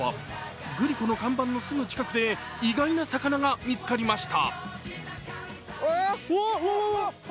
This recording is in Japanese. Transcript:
グリコの看板のすぐ近くで意外な魚が見つかりました。